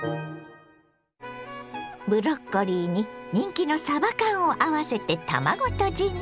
ブロッコリーに人気のさば缶を合わせて卵とじに。